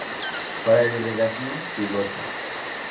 Para la irrigación: pivote.